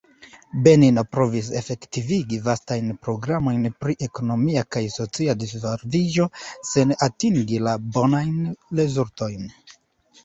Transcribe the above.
Benino provis efektivigi vastajn programojn pri ekonomia kaj socia disvolviĝo sen atingi bonajn rezultojn.